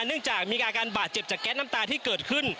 เนื่องจากมีอาการบาดเจ็บจากแก๊สน้ำตาที่เกิดขึ้น